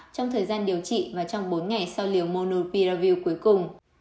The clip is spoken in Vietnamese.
trong thời gian điều trị và trong bốn ngày sau liều monupiravir cuối cùng